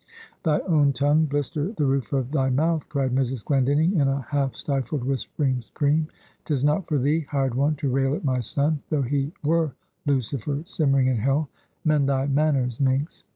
"Thy own tongue blister the roof of thy mouth!" cried Mrs. Glendinning, in a half stifled, whispering scream. "'Tis not for thee, hired one, to rail at my son, though he were Lucifer, simmering in Hell! Mend thy manners, minx!"